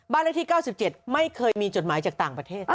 เลขที่๙๗ไม่เคยมีจดหมายจากต่างประเทศ